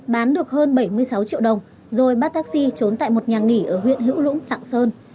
bán được hơn bảy mươi sáu triệu đồng rồi bắt taxi trốn tại một nhà nghỉ ở huyện hữu lũng tạng sơn